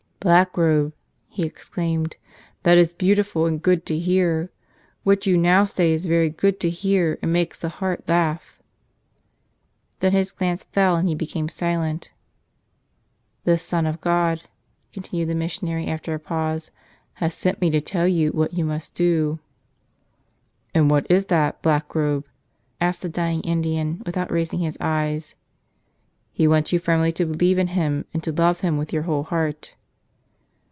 "Blackrobe," he exclaimed, "that is beautiful and good to hear! What you now say is very good to hear and makes the heart laugh." Then his glance fell, and he became silent. "This Son of God," continued the missionary after a pause, "has sent me to you to tell you what you must do." "And what is that, Blackrobe?" asked the dying Indian, without raising his eyes. "He wants you firmly to believe in Him and to love Him with your whole heart."